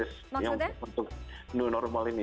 untuk new normal ini